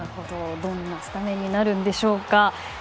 どんなスタメンになるんでしょうか。